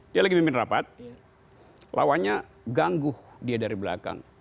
dia lagi mimpin rapat lawannya ganggu dia dari belakang